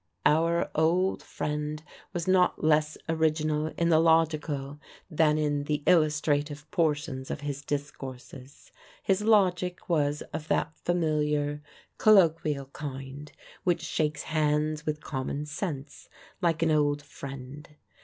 Our old friend was not less original in the logical than in the illustrative portions of his discourses. His logic was of that familiar, colloquial kind which shakes hands with common sense like an old friend.